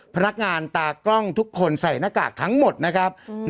พนักงานตากล้องทุกคนใส่หน้ากากทั้งหมดนะครับ